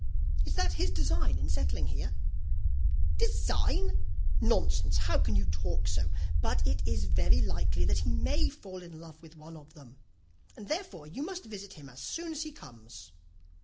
"Is that his design in settling here?" "Design? Nonsense, how can you talk so! But it is very likely that he may fall in love with one of them, and therefore you must visit him as soon as he comes."